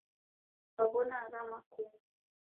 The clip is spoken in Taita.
Kwaw'ona aha makungu?